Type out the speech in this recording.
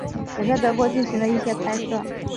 也在德国进行了一些拍摄。